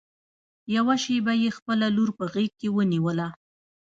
يوه شېبه يې خپله لور په غېږ کې ونيوله.